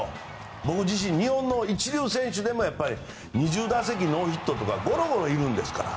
僕自身、日本の一流選手でも２０打席ノーヒットとかごろごろいるんですから。